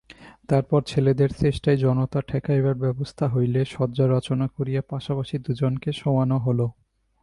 তারপর ছেলেদের চেষ্টায় জনতা ঠেকাইবার ব্যবস্থা হইলে শয্যা রচনা করিয়া পাশাপাশি দুজনকে শোয়োনো হল।